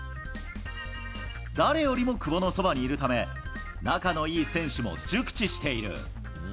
誰よりも久保のそばにいるため、仲のいい選手も熟知している。